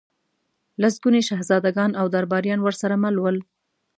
لسګوني شهزادګان او درباریان ورسره مل ول.